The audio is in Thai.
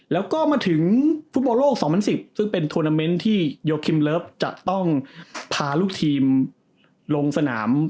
แล้วก็มาถึงฟุตบอลโลก๒๐๑๐ซึ่งเป็นทวนาเมนต์ที่โยคิมเลิฟจะต้องพาลูกทีมลงสนาม